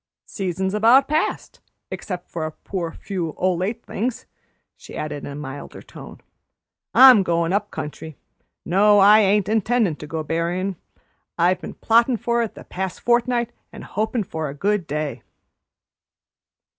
Season's about past, except for a poor few o' late things," she added in a milder tone. "I'm goin' up country. No, I ain't intendin' to go berryin'. I've been plottin' for it the past fortnight and hopin' for a good day."